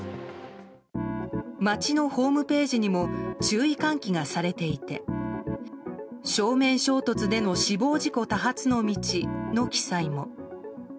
町のホームページにも注意喚起がされていて正面衝突での死亡事故多発の道の記載も。